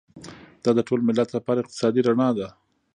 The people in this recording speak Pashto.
دا د ټول ملت لپاره اقتصادي رڼا ده.